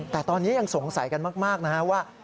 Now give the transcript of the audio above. แต่ตอนนี้ยังสงสัยกันมากนะฮะว่า